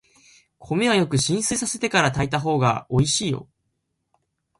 米はよく浸水させてから炊いたほうがおいしいよ。